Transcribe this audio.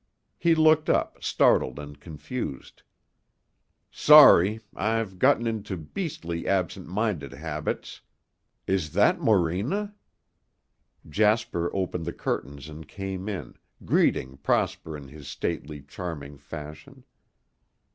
He looked up, startled and confused. "Sorry. I've got into beastly absent minded habits. Is that Morena?" Jasper opened the curtains and came in, greeting Prosper in his stately, charming fashion.